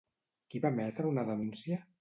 Qui va emetre una denúncia?